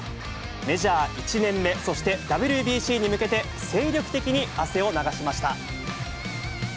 メジャー１年目、そしてＷＢＣに向けて精力的に汗を流しました。